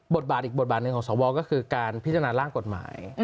อีกบทบาทหนึ่งของสวก็คือการพิจารณาร่างกฎหมาย